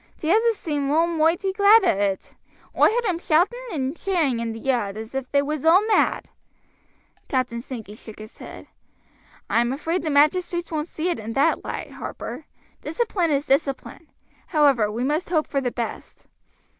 T'others all seem moighty glad o' it: oi heard 'em shouting and, cheering in t' yard as if they was all mad." Captain Sankey shook his head. "I'm afraid the magistrates won't see it in that light, Harper; discipline is discipline. However, we must hope for the best."